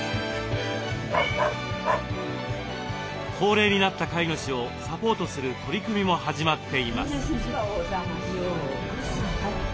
高齢になった飼い主をサポートする取り組みも始まっています。